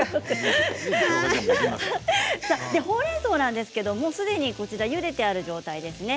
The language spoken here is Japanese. ほうれんそうなんですけどすでにゆでてある状態です。